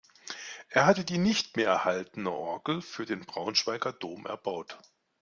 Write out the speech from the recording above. Er hatte die nicht mehr erhaltene Orgel für den Braunschweiger Dom erbaut.